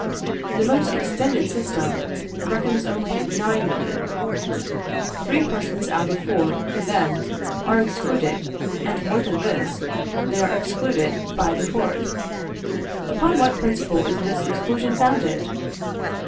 The most extended system reckons only 9,000,000. Three persons out of four, then, are excluded; and more than this, they are excluded by the fourth. Upon what principle is this exclusion founded?